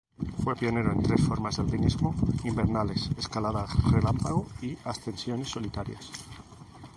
Fue pionero en tres formas de alpinismo: invernales, escaladas relámpago y ascensiones solitarias.